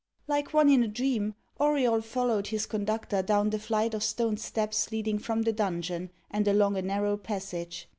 Like one in a dream, Auriol followed his conductor down the flight of stone steps leading from the dungeon, and along a narrow passage.